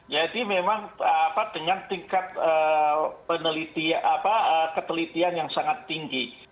jadi memang dengan tingkat penelitian ketelitian yang sangat tinggi